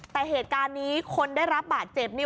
แต่เหตุการณ์นี้คนได้รับบาดเจ็บนี่